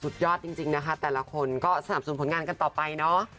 ยอดจริงนะคะแต่ละคนก็สนับสนุนผลงานกันต่อไปเนอะ